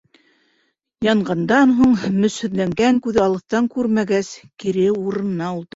Янғандан һуң мөсһөҙләнгән күҙе алыҫтан күрмәгәс, кире урынына ултырҙы.